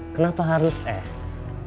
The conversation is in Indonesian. kenapa harus es